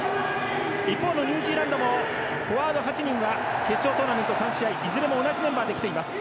一方のニュージーランドもフォワード８人は決勝トーナメント３試合いずれも同じメンバーできています。